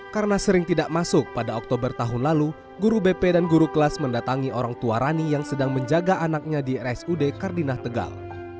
karena sering tidak masuk pada oktober tahun lalu guru bp dan guru kelas mendatangi orang tua rani yang sedang menjaga anaknya di rsud kardinah tegal